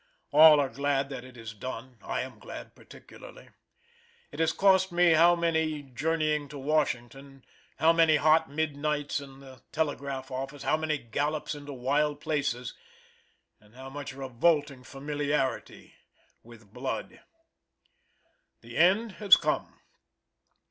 All are glad that it is done. I am glad particularly. It has cost me how many journeying to Washington, how many hot midnights at the telegraph office, how many gallops into wild places, and how much revolting familiarity with blood. The end has come.